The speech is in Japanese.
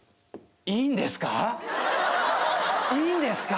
いいんですか？